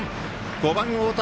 ５番、太田！